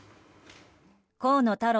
河野太郎